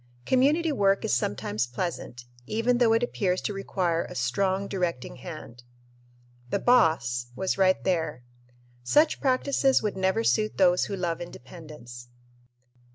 Community work is sometimes pleasant, even though it appears to require a strong directing hand. The "boss" was right there. Such practices would never suit those who love independence.